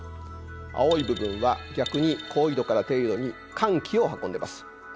青い部分は逆に高緯度から低緯度に寒気を運んでます。